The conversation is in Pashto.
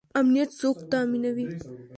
امنیت څوک تامینوي؟